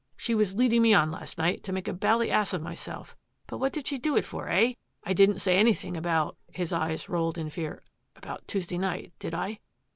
She was leading me on last night to make a bally ass of myself. But what did she do it for, eh? I didn't say anything about" — his eyes rolled in fear —" about Tuesday night, did I?